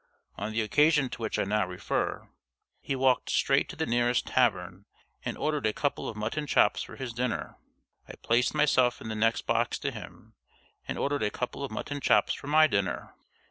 On the occasion to which I now refer, he walked straight to the nearest tavern and ordered a couple of mutton chops for his dinner. I placed myself in the next box to him, and ordered a couple of mutton chops for my dinner.